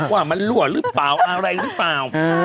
ว่ามันรั่วหรือเปล่าอะไรหรือเปล่า